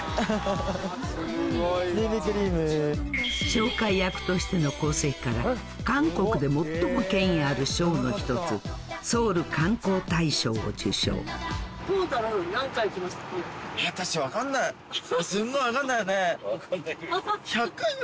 紹介役としての功績から韓国で最も権威ある賞の一つ私分かんないすごい分かんないよね？